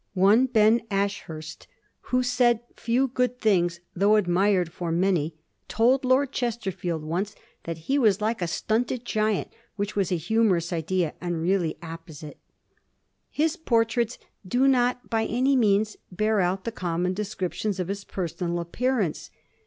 " One Ben Ashurst, who said few good things, though admired for many, told Lord Chesterfield once that he was like a stunted giant, which was a humorous idea and really apposite." His portraits do not by any means bear out the common descriptions of his personal appearance.